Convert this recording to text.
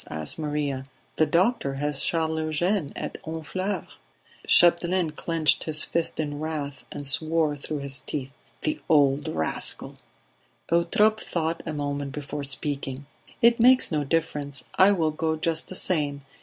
asked Maria. "The doctor has Charles Eugene at Honfleur." Chapdelaine clenched his fist in wrath and swore through his teeth: "The old rascal!" Eutrope thought a moment before speaking. "It makes no difference. I will go just the same.